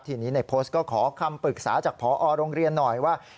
ทีนี้ในโพสต์ก็ขอคำปรึกษาจากพอโรงเรียนหน่อยว่า